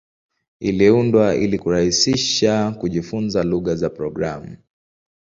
Iliundwa ili kurahisisha kujifunza lugha za programu.